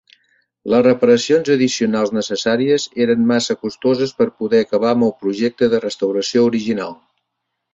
Les reparacions addicionals necessàries eren massa costoses per poder acabar amb el projecte de restauració original.